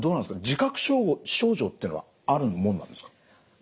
自覚症状っていうのはあるもんなんですか？